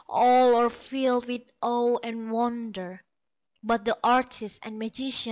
All are filled with awe and wonder, But the artist and magician.